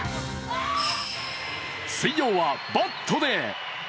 水曜はバットで。